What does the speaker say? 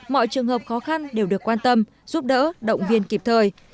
mọi trường hợp khó khăn đều được quan tâm giúp đỡ động viên kịp thời